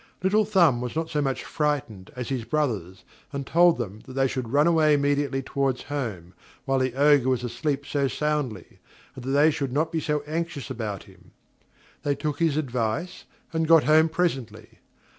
Little Thumb was not so much frightened as his brothers, and told them that they should run away immediately towards home, while the Ogre was asleep so soundly; and that they should not be anxious about him. They took his advice, and got home presently.